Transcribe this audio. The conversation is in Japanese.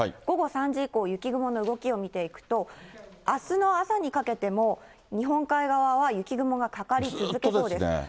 午後３時以降、雪雲の動きを見ていくと、あすの朝にかけても、日本海側は雪雲がかかり続けそうです。